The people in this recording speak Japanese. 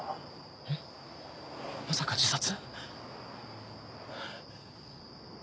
えっまさか自殺？